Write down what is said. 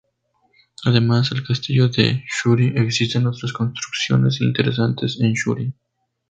Además del Castillo de Shuri, existen otras construcciones interesantes en Shuri.